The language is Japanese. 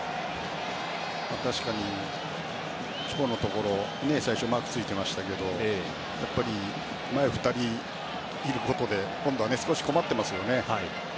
確かに、チュポのところ最初にマークついてましたがやっぱり前２人がいることで今度は少し困ってますね。